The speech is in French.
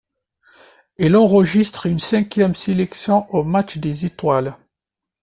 Il enregistre une cinquième sélection au match des Étoiles.